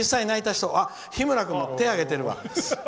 あ、日村君も手を挙げてるわ。